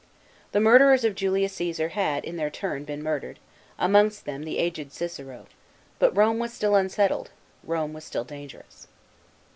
The murderers of Julius Csesar had, in their turn, been murdered, amongst them the aged Cicero ; but Home was still unsettled, Rome was still dangerous.